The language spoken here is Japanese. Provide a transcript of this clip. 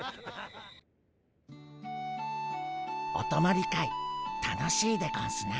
おとまり会楽しいでゴンスな。